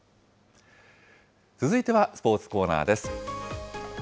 続いてはスポーツコーナーです。